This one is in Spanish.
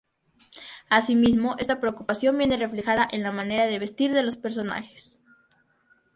Asimismo, esta preocupación viene reflejada en la manera de vestir de los personajes.